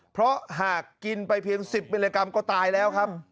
เพราะหากกินไปเพียง๑๐มิลลิกรัมก็ตายแล้วครับ